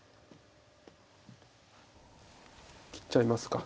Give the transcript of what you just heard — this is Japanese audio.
切っちゃいますか。